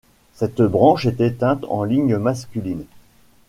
Cette branche est éteinte en ligne masculine.